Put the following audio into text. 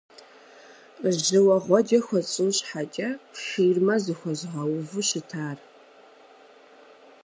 Жьыуэгъуэджэ хуэсщӀын щхьэкӀэ, ширмэ зыхуэзгъэуву щытар.